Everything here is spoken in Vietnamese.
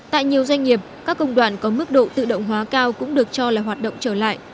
tại nhiều doanh nghiệp các công đoạn có mức độ tự động hóa cao cũng được cho là hoạt động trở lại